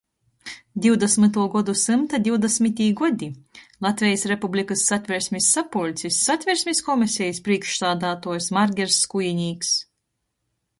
Dyvdasmytuo godu symta divdasmytī godi. Latvejis Republikys Satversmis sapuļcis Satversmis komisejis prīšksādātuojs Margers Skujinīks.